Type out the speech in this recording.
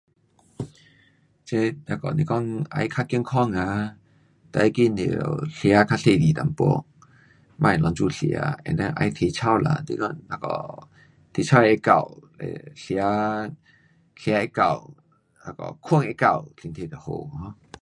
这那个是讲要较健康啊，最快你得吃较小心一点，别乱子吃，and then。要体操啦，就是讲那个体操会够，吃会够，那个睡会够，身体会好。um